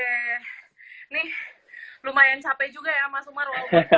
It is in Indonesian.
ini lumayan capek juga ya mas umar